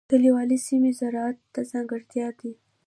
کلیوالي سیمې زراعت ته ځانګړې دي.